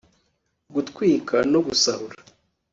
gutwika no gusahura